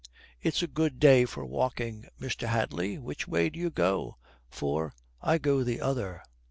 "It's a good day for walking, Mr. Hadley. Which way do you go? For I go the other."